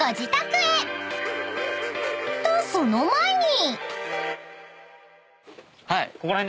［とその前に］